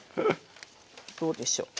どうでしょう。